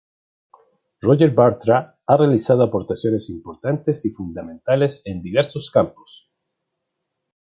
Roger Bartra ha realizado aportaciones importantes y fundamentales en diversos campos.